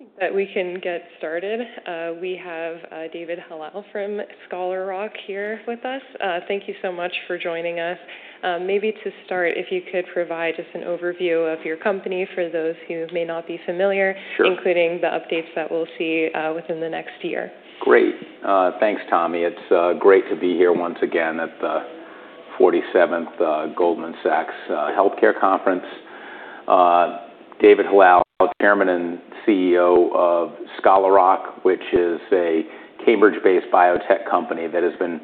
I think that we can get started. We have David Hallal from Scholar Rock here with us. Thank you so much for joining us. Maybe to start, if you could provide just an overview of your company for those who may not be familiar- Sure including the updates that we'll see within the next year. Great. Thanks, Tommy. It's great to be here once again at the 47th Goldman Sachs Healthcare Conference. David Hallal, Chairman and Chief Executive Officer of Scholar Rock, which is a Cambridge-based biotech company that has been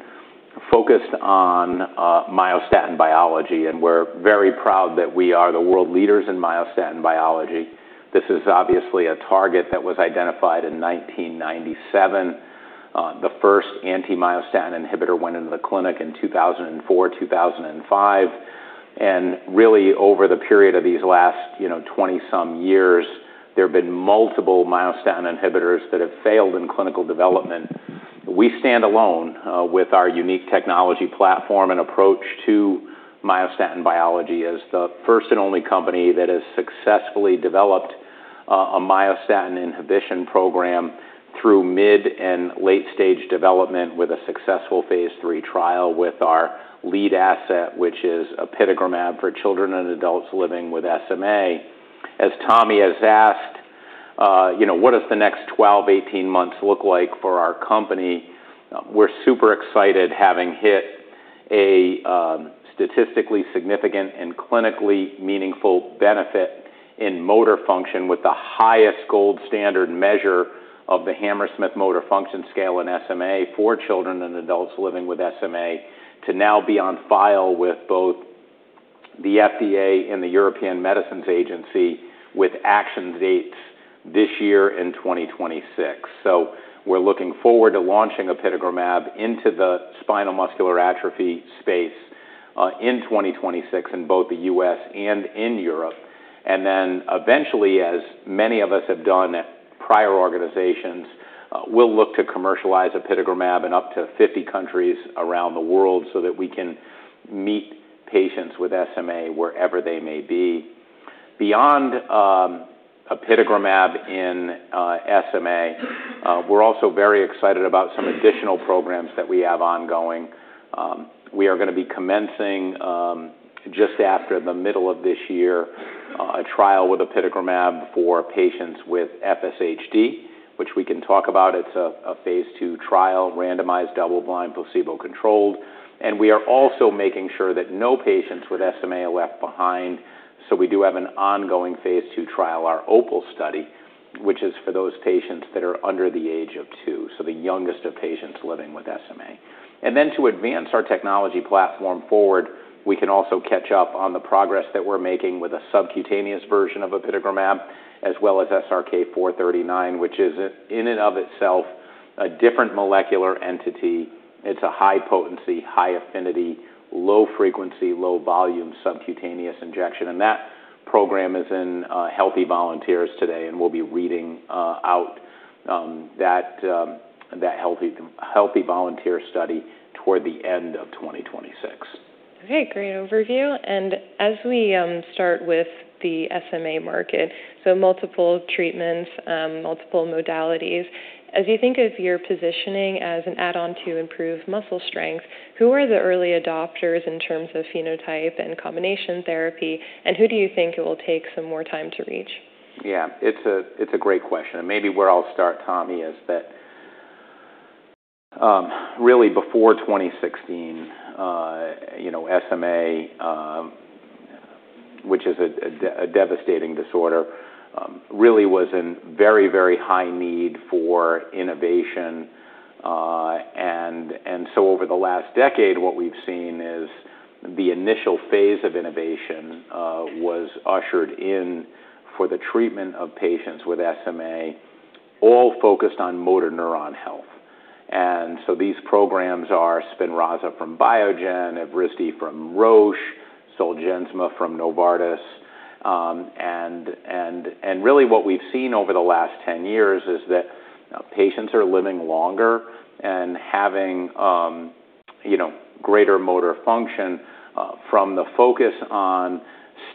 focused on myostatin biology. We're very proud that we are the world leaders in myostatin biology. This is obviously a target that was identified in 1997. The first anti-myostatin inhibitor went into the clinic in 2004, 2005. Really over the period of these last 20-some years, there have been multiple myostatin inhibitors that have failed in clinical development. We stand alone with our unique technology platform and approach to myostatin biology as the first and only company that has successfully developed a myostatin inhibition program through mid and late-stage development with a successful phase III trial with our lead asset, which is apitegromab for children and adults living with SMA. As Tommy has asked, what does the next 12, 18 months look like for our company? We're super excited, having hit a statistically significant and clinically meaningful benefit in motor function with the highest gold standard measure of the Hammersmith Functional Motor Scale Expanded in SMA for children and adults living with SMA to now be on file with both the FDA and the European Medicines Agency, with action dates this year in 2026. We're looking forward to launching apitegromab into the spinal muscular atrophy space in 2026 in both the U.S. and in Europe. Eventually, as many of us have done at prior organizations, we'll look to commercialize apitegromab in up to 50 countries around the world so that we can meet patients with SMA wherever they may be. Beyond apitegromab in SMA, we're also very excited about some additional programs that we have ongoing. We are going to be commencing, just after the middle of this year, a trial with apitegromab for patients with FSHD, which we can talk about. It's a phase II trial, randomized, double-blind, placebo-controlled. We are also making sure that no patients with SMA are left behind. We do have an ongoing phase II trial, our OPAL study, which is for those patients that are under the age of two, the youngest of patients living with SMA. To advance our technology platform forward, we can also catch up on the progress that we're making with a subcutaneous version of apitegromab, as well as SRK-439, which is in and of itself a different molecular entity. It's a high potency, high affinity, low frequency, low volume subcutaneous injection. That program is in healthy volunteers today, and we'll be reading out that healthy volunteer study toward the end of 2026. Okay, great overview. As we start with the SMA market, multiple treatments, multiple modalities. As you think of your positioning as an add-on to improve muscle strength, who are the early adopters in terms of phenotype and combination therapy, and who do you think it will take some more time to reach? Yeah. It's a great question. Maybe where I'll start, Tommy, is that really before 2016, SMA, which is a devastating disorder, really was in very high need for innovation. Over the last decade, what we've seen is the initial phase of innovation was ushered in for the treatment of patients with SMA, all focused on motor neuron health. These programs are SPINRAZA from Biogen, Evrysdi from Roche, ZOLGENSMA from Novartis. Really what we've seen over the last 10 years is that patients are living longer and having greater motor function from the focus on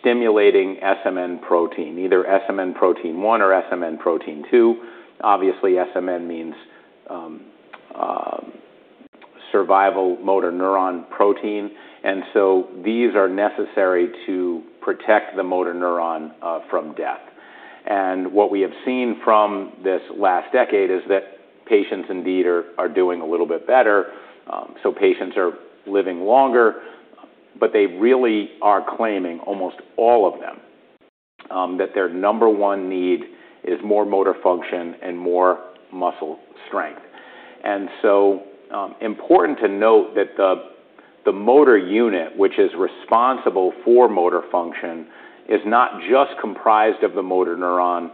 stimulating SMN protein, either SMN protein one or SMN protein two. Obviously, SMN means survival motor neuron protein, these are necessary to protect the motor neuron from death. What we have seen from this last decade is that patients indeed are doing a little bit better, patients are living longer, they really are claiming, almost all of them, that their number one need is more motor function and more muscle strength. Important to note that the motor unit, which is responsible for motor function, is not just comprised of the motor neuron,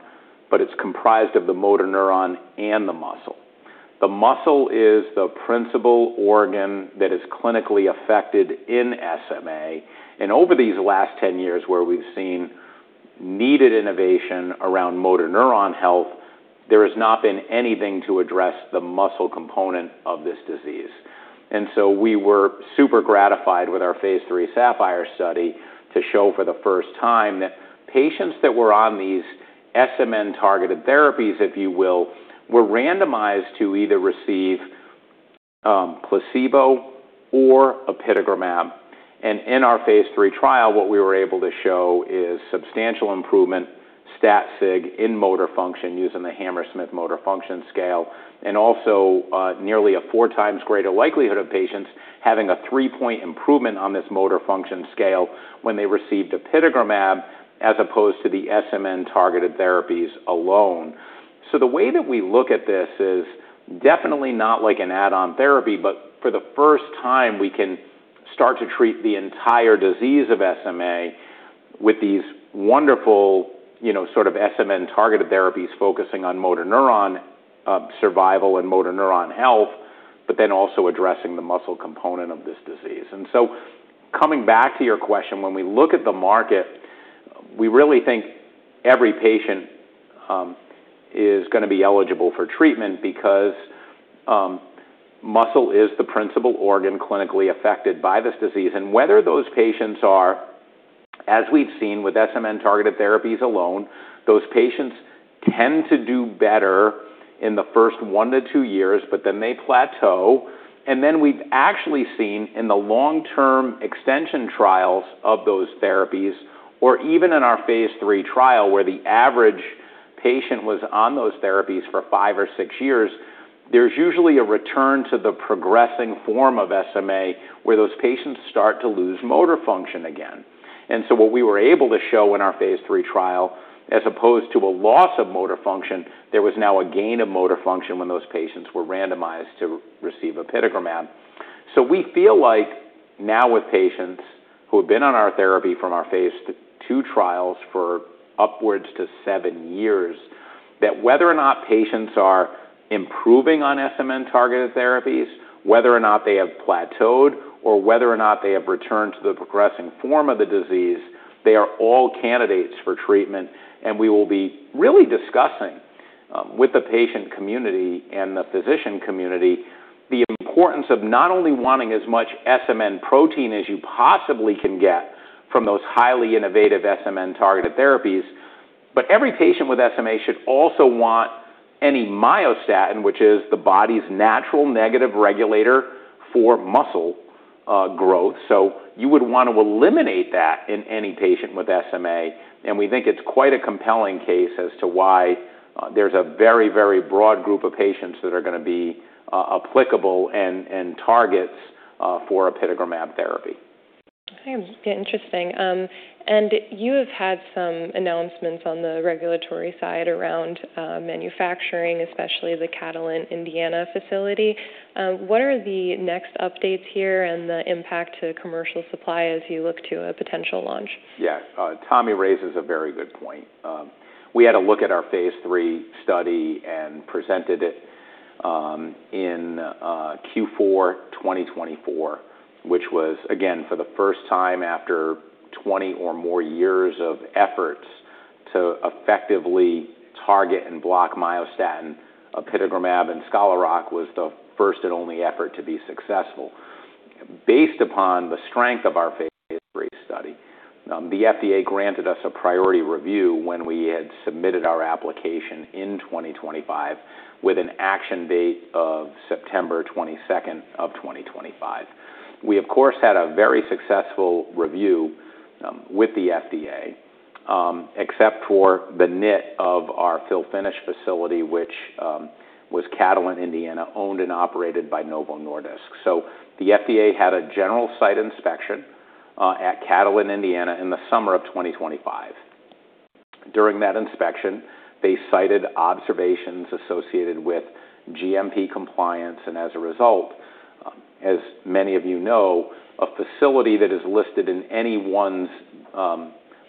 but it's comprised of the motor neuron and the muscle. The muscle is the principal organ that is clinically affected in SMA. Over these last 10 years where we've seen needed innovation around motor neuron health, there has not been anything to address the muscle component of this disease. We were super gratified with our Phase III SAPPHIRE study to show for the first time that patients that were on these SMN-targeted therapies, if you will, were randomized to either receive placebo or apitegromab. In our Phase III trial, what we were able to show is substantial improvement, stat sig in motor function using the Hammersmith Motor Function scale, and also nearly a four times greater likelihood of patients having a three-point improvement on this motor function scale when they received apitegromab as opposed to the SMN-targeted therapies alone. The way that we look at this is definitely not like an add-on therapy, for the first time, we can start to treat the entire disease of SMA with these wonderful sort of SMN-targeted therapies focusing on motor neuron survival and motor neuron health, also addressing the muscle component of this disease. Coming back to your question, when we look at the market, we really think every patient is going to be eligible for treatment because muscle is the principal organ clinically affected by this disease. Whether those patients are, as we've seen with SMN-targeted therapies alone, those patients tend to do better in the first one to two years, they plateau. We've actually seen in the long-term extension trials of those therapies, or even in our Phase III trial, where the average patient was on those therapies for five or six years, there's usually a return to the progressing form of SMA, where those patients start to lose motor function again. What we were able to show in our Phase III trial, as opposed to a loss of motor function, there was now a gain of motor function when those patients were randomized to receive apitegromab. We feel like now with patients who have been on our therapy from our Phase II trials for upwards to seven years, that whether or not patients are improving on SMN-targeted therapies, whether or not they have plateaued, or whether or not they have returned to the progressing form of the disease, they are all candidates for treatment. We will be really discussing with the patient community and the physician community the importance of not only wanting as much SMN protein as you possibly can get from those highly innovative SMN-targeted therapies, but every patient with SMA should also want any myostatin, which is the body's natural negative regulator for muscle growth. You would want to eliminate that in any patient with SMA, and we think it's quite a compelling case as to why there's a very, very broad group of patients that are going to be applicable and targets for apitegromab therapy. Okay. Interesting. You have had some announcements on the regulatory side around manufacturing, especially the Catalent Indiana facility. What are the next updates here and the impact to commercial supply as you look to a potential launch? Tommy raises a very good point. We had a look at our phase III study and presented it in Q4 2024, which was, again, for the first time after 20 or more years of efforts to effectively target and block myostatin, apitegromab and Scholar Rock was the first and only effort to be successful. Based upon the strength of our phase III study, the FDA granted us a priority review when we had submitted our application in 2025 with an action date of September 22nd of 2025. We, of course, had a very successful review with the FDA except for the nit of our fill-finish facility, which was Catalent Indiana, owned and operated by Novo Nordisk. The FDA had a general site inspection at Catalent Indiana in the summer of 2025. During that inspection, they cited observations associated with GMP compliance, as a result, as many of you know, a facility that is listed in anyone's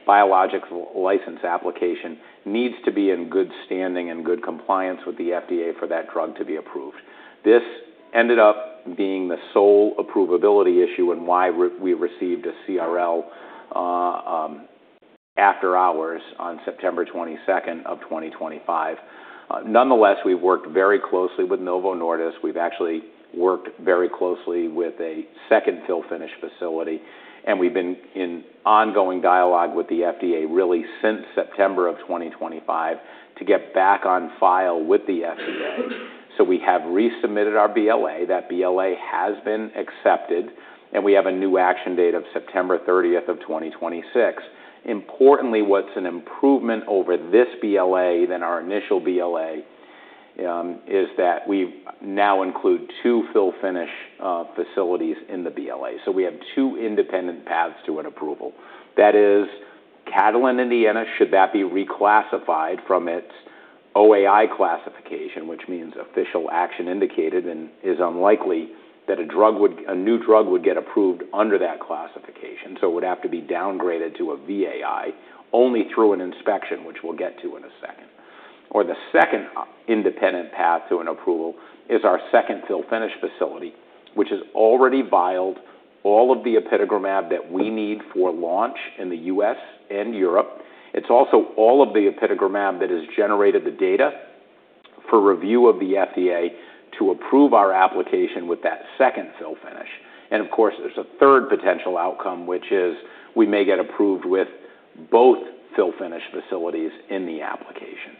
biological license application needs to be in good standing and good compliance with the FDA for that drug to be approved. This ended up being the sole approvability issue and why we received a CRL after hours on September 22nd of 2025. Nonetheless, we've worked very closely with Novo Nordisk. We've actually worked very closely with a second fill-finish facility, and we've been in ongoing dialogue with the FDA really since September of 2025 to get back on file with the FDA. We have resubmitted our BLA. That BLA has been accepted, and we have a new action date of September 30th of 2026. Importantly, what's an improvement over this BLA than our initial BLA is that we now include two fill-finish facilities in the BLA. We have two independent paths to an approval. That is Catalent Indiana, should that be reclassified from its OAI classification, which means official action indicated, and is unlikely that a new drug would get approved under that classification. It would have to be downgraded to a VAI only through an inspection, which we'll get to in a second. The second independent path to an approval is our second fill-finish facility, which has already vialed all of the apitegromab that we need for launch in the U.S. and Europe. It's also all of the apitegromab that has generated the data for review of the FDA to approve our application with that second fill finish. Of course, there's a third potential outcome, which is we may get approved with both fill finish facilities in the application.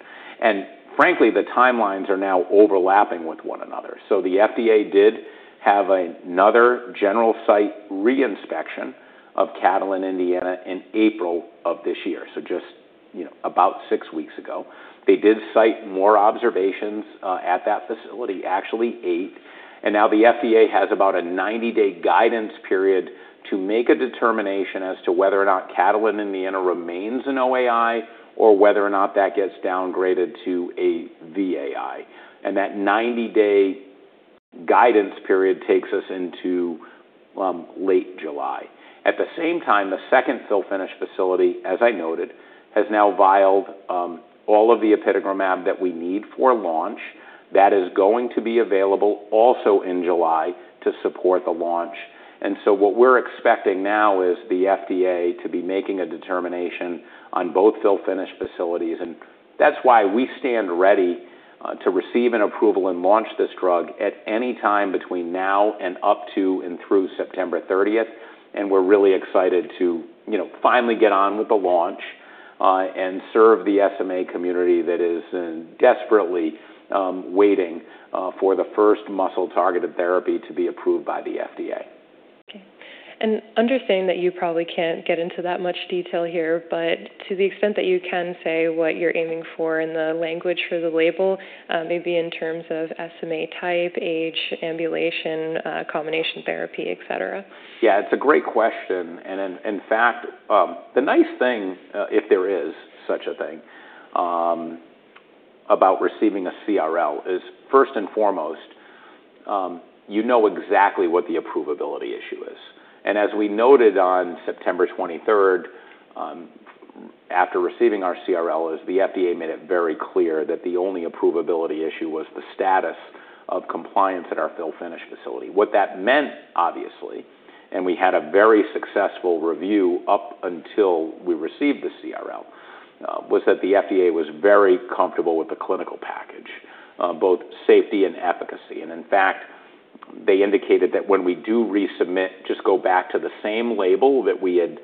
Frankly, the timelines are now overlapping with one another. The FDA did have another general site re-inspection of Catalent Indiana in April of this year, just about 6 weeks ago. They did cite more observations at that facility, actually 8. Now the FDA has about a 90-day guidance period to make a determination as to whether or not Catalent Indiana remains an OAI or whether or not that gets downgraded to a VAI. That 90-day guidance period takes us into late July. At the same time, the second fill finish facility, as I noted, has now vialed all of the apitegromab that we need for launch. That is going to be available also in July to support the launch. What we're expecting now is the FDA to be making a determination on both fill finish facilities. That's why we stand ready to receive an approval and launch this drug at any time between now and up to and through September 30th. We're really excited to finally get on with the launch and serve the SMA community that is desperately waiting for the first muscle-targeted therapy to be approved by the FDA. Okay. Understanding that you probably can't get into that much detail here, but to the extent that you can say what you're aiming for in the language for the label maybe in terms of SMA type, age, ambulation, combination therapy, et cetera. It's a great question. In fact, the nice thing, if there is such a thing, about receiving a CRL is first and foremost, you know exactly what the approvability issue is. As we noted on September 23rd, after receiving our CRL, the FDA made it very clear that the only approvability issue was the status of compliance at our fill finish facility. What that meant, obviously, and we had a very successful review up until we received the CRL, was that the FDA was very comfortable with the clinical package, both safety and efficacy. In fact, they indicated that when we do resubmit, just go back to the same label that we had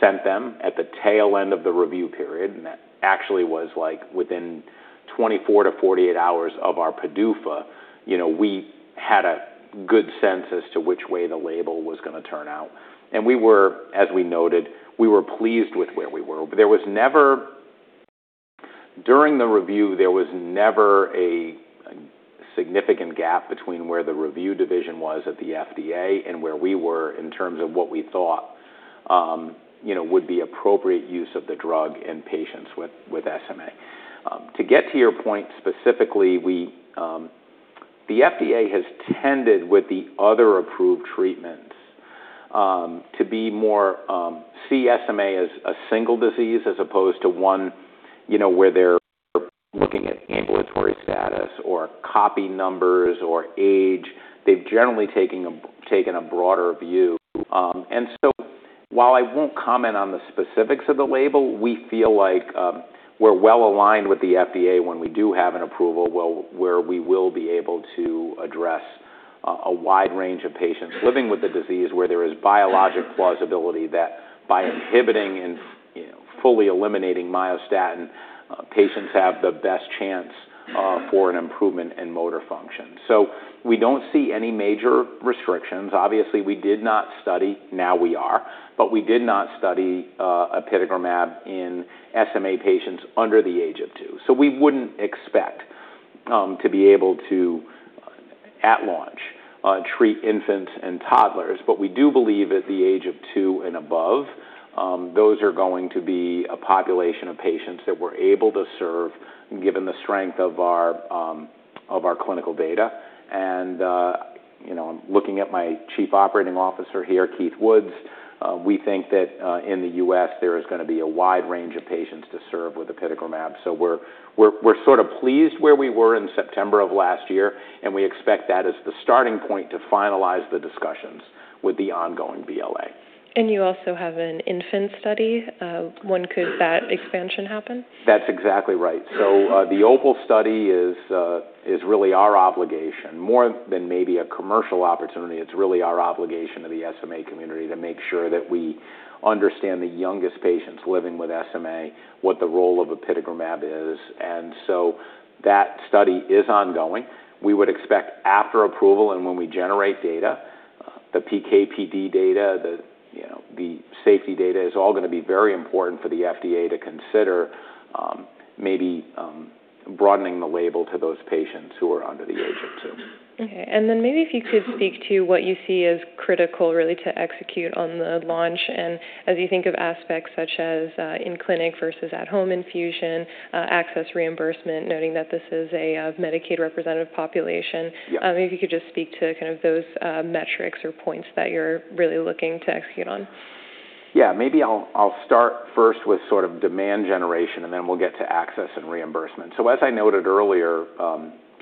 sent them at the tail end of the review period. That actually was within 24 to 48 hours of our PDUFA. We had a good sense as to which way the label was going to turn out. We were, as we noted, pleased with where we were. During the review, there was never a significant gap between where the review division was at the FDA and where we were in terms of what we thought would be appropriate use of the drug in patients with SMA. To get to your point specifically, the FDA has tended with the other approved treatments to see SMA as a single disease as opposed to one where they're looking at ambulatory status or copy numbers or age. They've generally taken a broader view. While I won't comment on the specifics of the label, we feel like we're well-aligned with the FDA when we do have an approval, where we will be able to address a wide range of patients living with the disease where there is biologic plausibility that by inhibiting and fully eliminating myostatin, patients have the best chance for an improvement in motor function. We don't see any major restrictions. Obviously, we did not study. Now we are. We did not study apitegromab in SMA patients under the age of two. We wouldn't expect to be able to, at launch, treat infants and toddlers. We do believe at the age of two and above, those are going to be a population of patients that we're able to serve given the strength of our clinical data. Looking at my Chief Operating Officer here, Keith Woods, we think that in the U.S., there is going to be a wide range of patients to serve with apitegromab. We're sort of pleased where we were in September of last year, and we expect that as the starting point to finalize the discussions with the ongoing BLA. You also have an infant study. When could that expansion happen? That's exactly right. The OPAL study is really our obligation. More than maybe a commercial opportunity, it's really our obligation to the SMA community to make sure that we understand the youngest patients living with SMA, what the role of apitegromab is. That study is ongoing. We would expect after approval and when we generate data, the PK/PD data, the safety data is all going to be very important for the FDA to consider maybe broadening the label to those patients who are under the age of two. Okay. Maybe if you could speak to what you see as critical, really, to execute on the launch and as you think of aspects such as in-clinic versus at-home infusion, access reimbursement, noting that this is a Medicaid representative population. Yeah. Maybe if you could just speak to kind of those metrics or points that you're really looking to execute on. Maybe I'll start first with sort of demand generation, and then we'll get to access and reimbursement. As I noted earlier,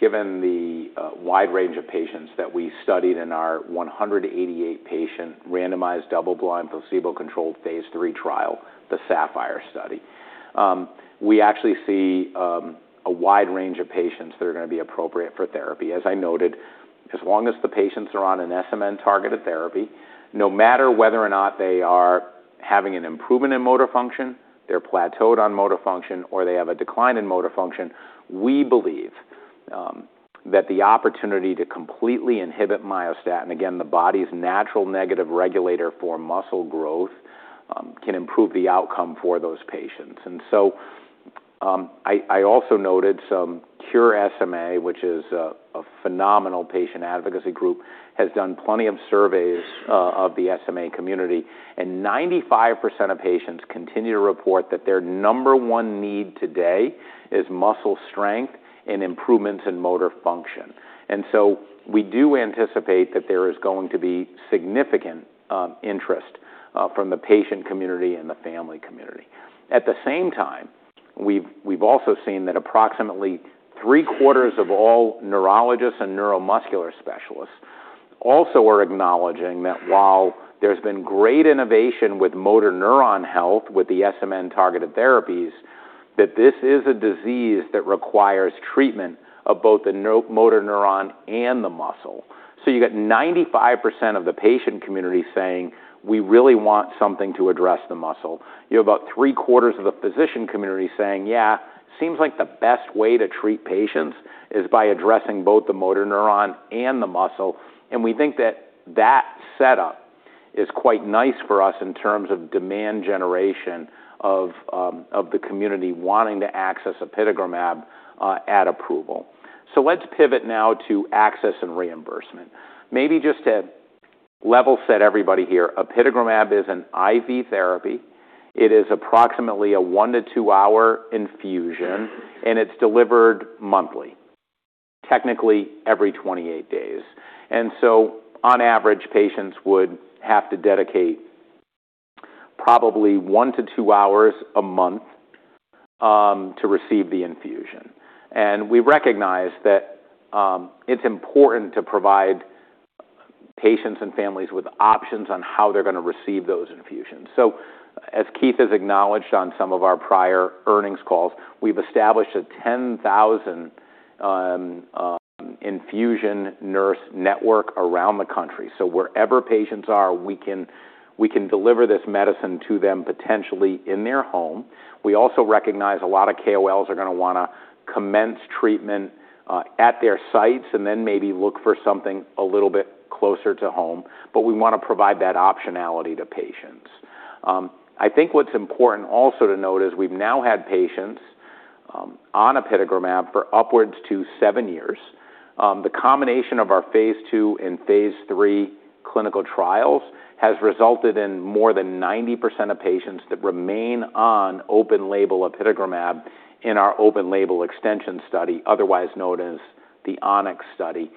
given the wide range of patients that we studied in our 188-patient randomized double-blind placebo-controlled phase III trial, the SAPPHIRE study. We actually see a wide range of patients that are going to be appropriate for therapy. As I noted, as long as the patients are on an SMN-targeted therapy, no matter whether or not they are having an improvement in motor function, they're plateaued on motor function, or they have a decline in motor function, we believe that the opportunity to completely inhibit myostatin, again, the body's natural negative regulator for muscle growth, can improve the outcome for those patients. I also noted some Cure SMA, which is a phenomenal patient advocacy group, has done plenty of surveys of the SMA community, and 95% of patients continue to report that their number one need today is muscle strength and improvements in motor function. We do anticipate that there is going to be significant interest from the patient community and the family community. At the same time, we've also seen that approximately three-quarters of all neurologists and neuromuscular specialists also are acknowledging that while there's been great innovation with motor neuron health with the SMN-targeted therapies, that this is a disease that requires treatment of both the motor neuron and the muscle. You got 95% of the patient community saying, "We really want something to address the muscle." You have about three-quarters of the physician community saying, "seems like the best way to treat patients is by addressing both the motor neuron and the muscle." We think that that setup is quite nice for us in terms of demand generation of the community wanting to access apitegromab at approval. Let's pivot now to access and reimbursement. Maybe just to level set everybody here, apitegromab is an IV therapy. It is approximately a 1- to 2-hour infusion, and it's delivered monthly, technically every 28 days. On average, patients would have to dedicate probably 1 to 2 hours a month to receive the infusion. We recognize that it's important to provide patients and families with options on how they're going to receive those infusions. As Keith has acknowledged on some of our prior earnings calls, we've established a 10,000 infusion nurse network around the country. Wherever patients are, we can deliver this medicine to them potentially in their home. We also recognize a lot of KOLs are going to want to commence treatment at their sites and then maybe look for something a little bit closer to home. We want to provide that optionality to patients. I think what's important also to note is we've now had patients on apitegromab for upwards to seven years. The combination of our phase II and phase III clinical trials has resulted in more than 90% of patients that remain on open-label apitegromab in our open-label extension study, otherwise known as the ONYX study.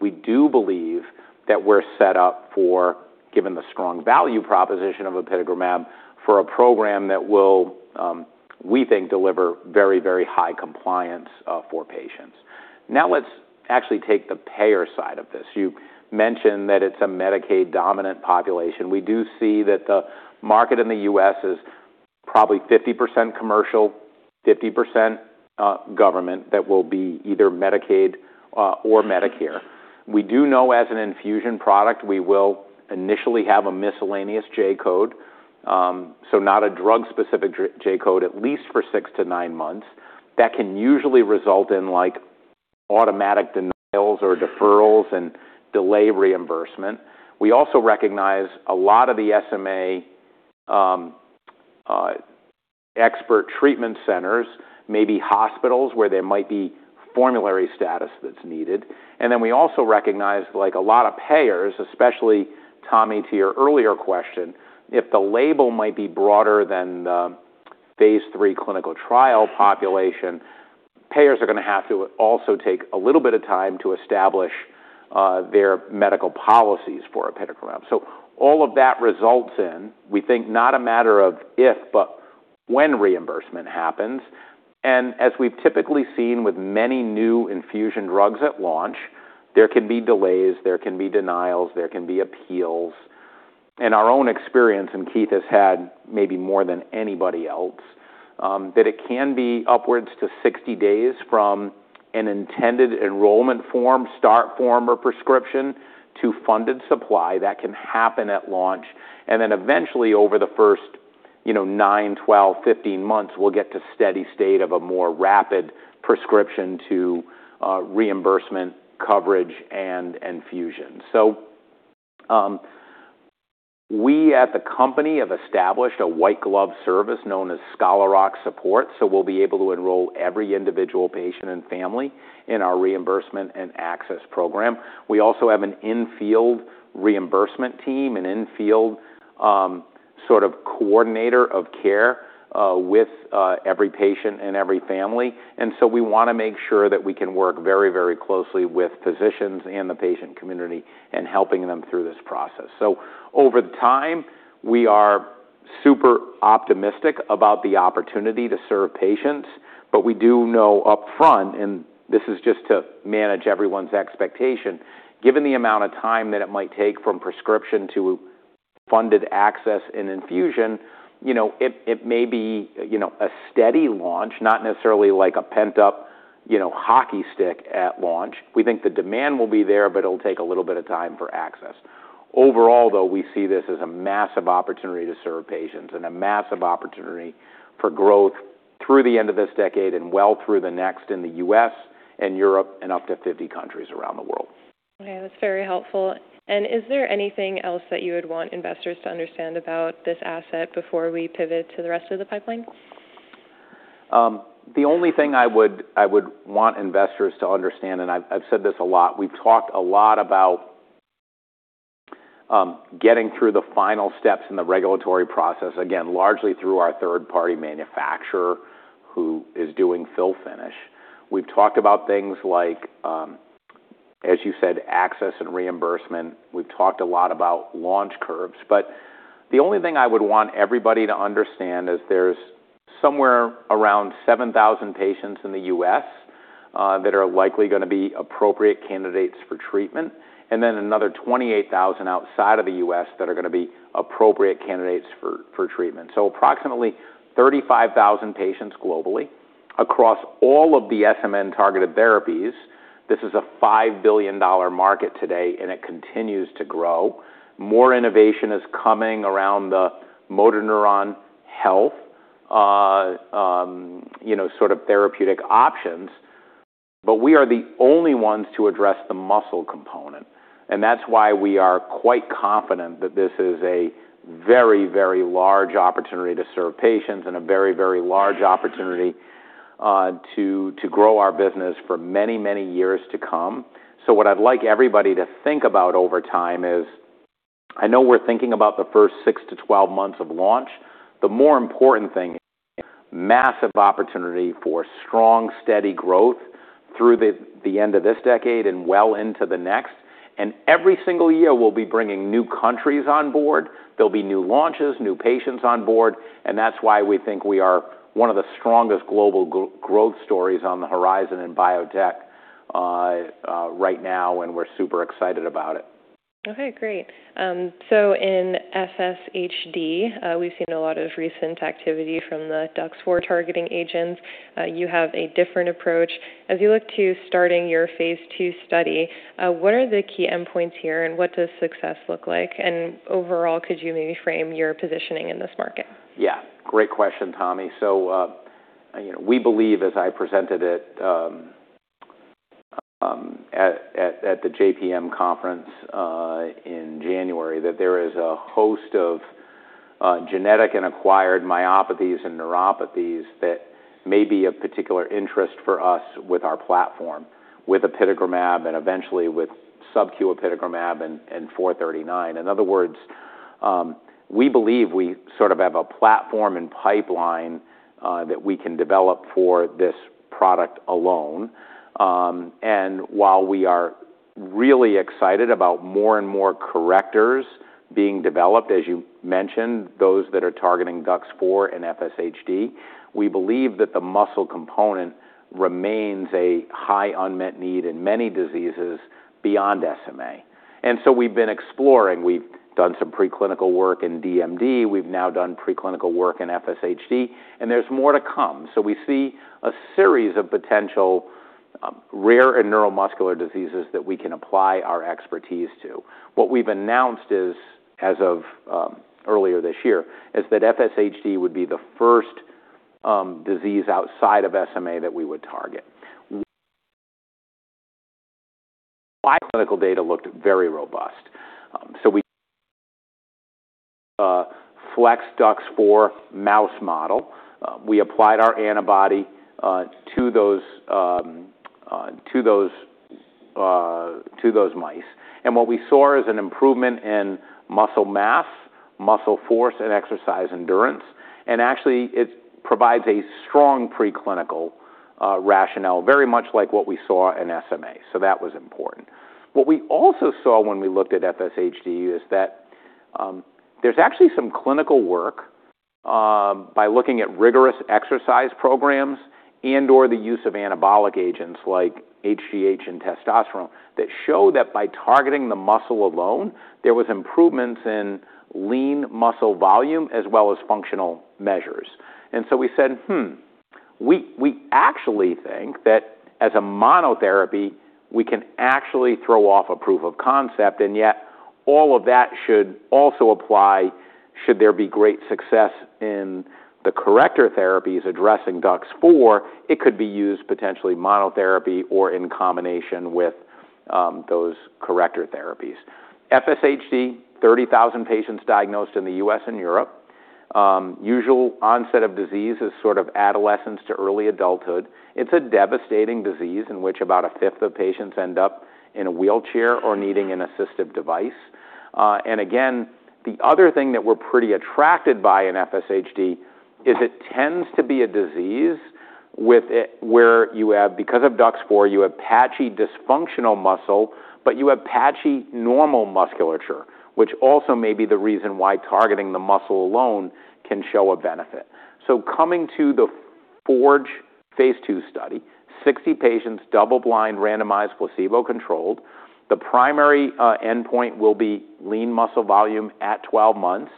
We do believe that we're set up for, given the strong value proposition of apitegromab, for a program that will, we think, deliver very high compliance for patients. Let's actually take the payer side of this. You mentioned that it's a Medicaid-dominant population. We do see that the market in the U.S. is probably 50% commercial, 50% government that will be either Medicaid or Medicare. We do know as an infusion product, we will initially have a miscellaneous J code. Not a drug-specific J code, at least for six to nine months. That can usually result in automatic denials or deferrals and delay reimbursement. We also recognize a lot of the SMA expert treatment centers may be hospitals where there might be formulary status that's needed. We also recognize a lot of payers, especially Tommy, to your earlier question, if the label might be broader than the phase III clinical trial population, payers are going to have to also take a little bit of time to establish their medical policies for apitegromab. All of that results in, we think, not a matter of if, but when reimbursement happens. As we've typically seen with many new infusion drugs at launch, there can be delays, there can be denials, there can be appeals. In our own experience, and Keith has had maybe more than anybody else, that it can be upwards to 60 days from an intended enrollment form, start form, or prescription to funded supply. That can happen at launch. Eventually over the first nine, 12, 15 months, we'll get to steady state of a more rapid prescription to reimbursement coverage and infusion. We at the company have established a white glove service known as Scholar Rock Support, so we'll be able to enroll every individual patient and family in our reimbursement and access program. We also have an in-field reimbursement team, an in-field sort of coordinator of care with every patient and every family. We want to make sure that we can work very closely with physicians and the patient community in helping them through this process. Over time, we are super optimistic about the opportunity to serve patients. But we do know upfront, and this is just to manage everyone's expectation, given the amount of time that it might take from prescription to funded access and infusion, it may be a steady launch, not necessarily like a pent-up hockey stick at launch. We think the demand will be there, but it'll take a little bit of time for access. Overall, though, we see this as a massive opportunity to serve patients and a massive opportunity for growth through the end of this decade and well through the next in the U.S. and Europe and up to 50 countries around the world. Okay. That is very helpful. Is there anything else that you would want investors to understand about this asset before we pivot to the rest of the pipeline? The only thing I would want investors to understand, I have said this a lot, we have talked a lot about getting through the final steps in the regulatory process, again, largely through our third-party manufacturer who is doing fill-finish. We have talked about things like, as you said, access and reimbursement. We have talked a lot about launch curves. The only thing I would want everybody to understand is there is somewhere around 7,000 patients in the U.S. that are likely going to be appropriate candidates for treatment, and then another 28,000 outside of the U.S. that are going to be appropriate candidates for treatment. Approximately 35,000 patients globally across all of the SMN-targeted therapies. This is a $5 billion market today, and it continues to grow. More innovation is coming around the motor neuron health sort of therapeutic options. We are the only ones to address the muscle component, and that is why we are quite confident that this is a very large opportunity to serve patients and a very large opportunity to grow our business for many years to come. What I would like everybody to think about over time is, I know we are thinking about the first 6-12 months of launch. The more important thing, massive opportunity for strong, steady growth through the end of this decade and well into the next. Every single year, we will be bringing new countries on board. There will be new launches, new patients on board, and that is why we think we are one of the strongest global growth stories on the horizon in biotech right now, and we are super excited about it. Okay, great. In FSHD, we have seen a lot of recent activity from the DUX4-targeting agents. You have a different approach. As you look to starting your phase II study, what are the key endpoints here and what does success look like? Overall, could you maybe frame your positioning in this market? Yeah. Great question, Tommy. We believe, as I presented it at the JPM conference in January, that there is a host of genetic and acquired myopathies and neuropathies that may be of particular interest for us with our platform, with apitegromab and eventually with subQ apitegromab and 439. In other words, we believe we sort of have a platform and pipeline that we can develop for this product alone. While we are really excited about more and more correctors being developed, as you mentioned, those that are targeting DUX4 and FSHD, we believe that the muscle component remains a high unmet need in many diseases beyond SMA. We've been exploring. We've done some preclinical work in DMD, we've now done preclinical work in FSHD. There's more to come. We see a series of potential rare and neuromuscular diseases that we can apply our expertise to. What we've announced is, as of earlier this year, is that FSHD would be the first disease outside of SMA that we would target. Preclinical data looked very robust. We FSHD DUX4 mouse model. We applied our antibody to those mice. What we saw is an improvement in muscle mass, muscle force, and exercise endurance. Actually, it provides a strong preclinical rationale, very much like what we saw in SMA. That was important. What we also saw when we looked at FSHD is that there's actually some clinical work by looking at rigorous exercise programs and/or the use of anabolic agents like HGH and testosterone that show that by targeting the muscle alone, there was improvements in lean muscle volume as well as functional measures. We said, "Hmm, we actually think that as a monotherapy, we can actually throw off a proof of concept." Yet all of that should also apply should there be great success in the corrector therapies addressing DUX4. It could be used potentially monotherapy or in combination with those corrector therapies. FSHD, 30,000 patients diagnosed in the U.S. and Europe. Usual onset of disease is sort of adolescence to early adulthood. It's a devastating disease in which about a fifth of patients end up in a wheelchair or needing an assistive device. Again, the other thing that we're pretty attracted by in FSHD is it tends to be a disease where you have, because of DUX4, you have patchy dysfunctional muscle, but you have patchy normal musculature, which also may be the reason why targeting the muscle alone can show a benefit. Coming to the FORGE Phase II study, 60 patients, double-blind, randomized, placebo-controlled. The primary endpoint will be lean muscle volume at 12 months.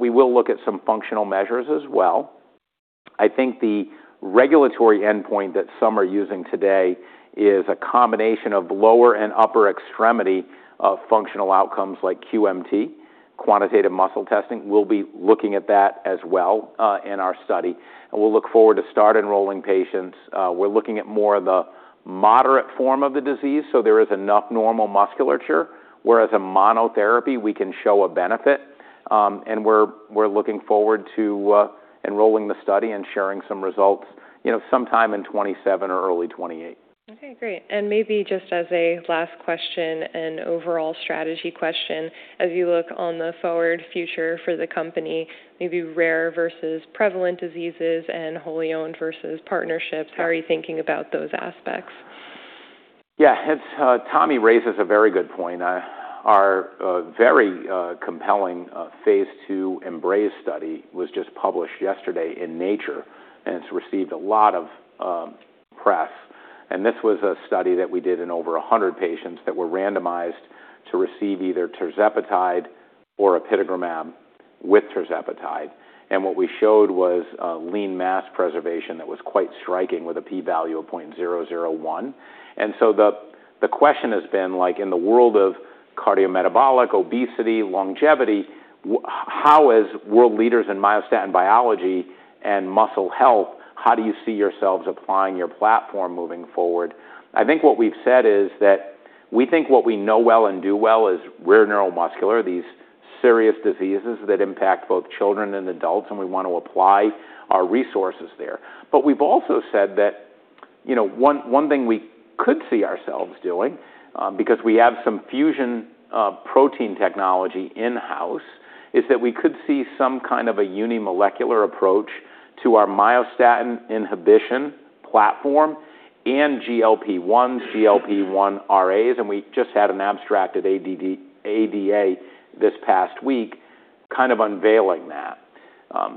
We will look at some functional measures as well. I think the regulatory endpoint that some are using today is a combination of lower and upper extremity of functional outcomes like QMT, quantitative muscle testing. We'll be looking at that as well, in our study. We'll look forward to start enrolling patients. We're looking at more of the moderate form of the disease, so there is enough normal musculature, where as a monotherapy, we can show a benefit. We're looking forward to enrolling the study and sharing some results sometime in 2027 or early 2028. Okay, great. Maybe just as a last question, an overall strategy question, as you look on the forward future for the company, maybe rare versus prevalent diseases and wholly owned versus partnerships, how are you thinking about those aspects? Yeah. Tommy raises a very good point. Our very compelling phase II EMBRACE study was just published yesterday in Nature, and it's received a lot of press. This was a study that we did in over 100 patients that were randomized to receive either tirzepatide or apitegromab with tirzepatide. What we showed was lean mass preservation that was quite striking with a P value of .001. The question has been like in the world of cardiometabolic, obesity, longevity, how as world leaders in myostatin biology and muscle health, how do you see yourselves applying your platform moving forward? I think what we've said is that we think what we know well and do well is rare neuromuscular, these serious diseases that impact both children and adults, and we want to apply our resources there. We've also said that one thing we could see ourselves doing, because we have some fusion protein technology in-house, is that we could see some kind of a unimolecular approach to our myostatin inhibition platform and GLP-1, GLP-1 RAs. We just had an abstract at ADA this past week kind of unveiling that.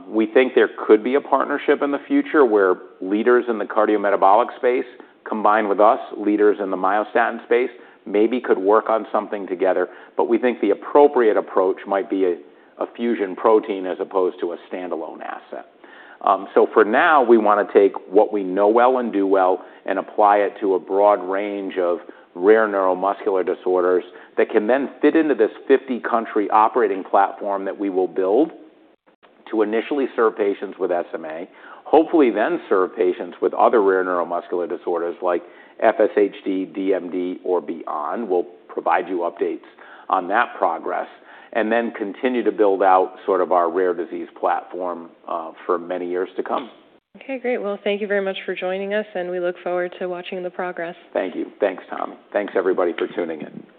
We think there could be a partnership in the future where leaders in the cardiometabolic space, combined with us, leaders in the myostatin space, maybe could work on something together. We think the appropriate approach might be a fusion protein as opposed to a standalone asset. For now, we want to take what we know well and do well and apply it to a broad range of rare neuromuscular disorders that can fit into this 50-country operating platform that we will build to initially serve patients with SMA, hopefully serve patients with other rare neuromuscular disorders like FSHD, DMD, or beyond. We'll provide you updates on that progress, continue to build out sort of our rare disease platform for many years to come. Okay, great. Well, thank you very much for joining us, and we look forward to watching the progress. Thank you. Thanks, Tommy. Thanks everybody for tuning in.